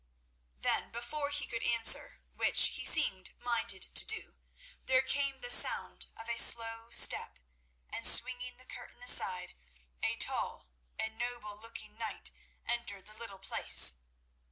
Then before he could answer, which he seemed minded to do, there came the sound of a slow step, and swinging the curtain aside, a tall and noble looking knight entered the little place.